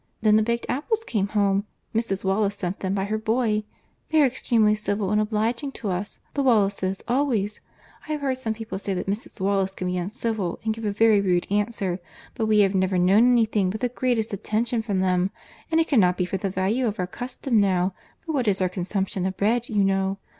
Then the baked apples came home, Mrs. Wallis sent them by her boy; they are extremely civil and obliging to us, the Wallises, always—I have heard some people say that Mrs. Wallis can be uncivil and give a very rude answer, but we have never known any thing but the greatest attention from them. And it cannot be for the value of our custom now, for what is our consumption of bread, you know?